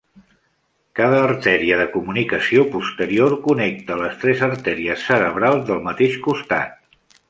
Cada arteria de comunicació posterior connecta les tres arteries cerebrals del mateix costat.